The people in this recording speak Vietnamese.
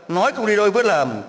nói không đi đôi với làm